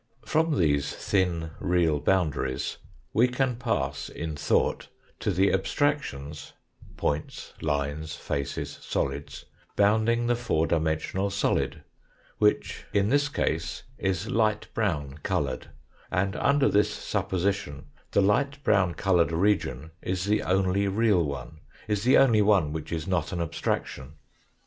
From these thin real boundaries we can pass in thought to the abstractions points, lines, faces, solids bounding the four dimensional solid, which is this case is light brown coloured, and under this supposition the light brown coloured region is the only real one, is the only one which is not an abstraction.